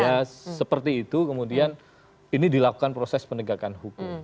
ya seperti itu kemudian ini dilakukan proses penegakan hukum